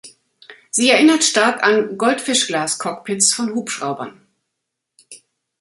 Sie erinnert stark an "Goldfischglas-Cockpits" von Hubschraubern.